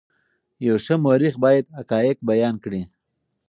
یو ښه مورخ باید حقایق بیان کړي.